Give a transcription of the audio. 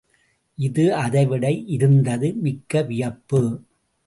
இது அதைவிட இருந்தது மிக்க வியப்பு.